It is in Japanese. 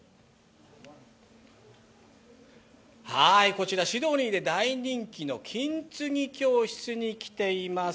こちらシドニーで大人気の金継ぎ教室に来ています。